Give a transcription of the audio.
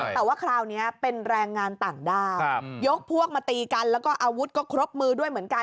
แต่ว่าคราวนี้เป็นแรงงานต่างด้าวยกพวกมาตีกันแล้วก็อาวุธก็ครบมือด้วยเหมือนกัน